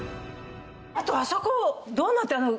あとあそこどうなってるの？